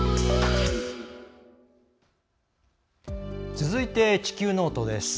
続いて「地球ノート」です。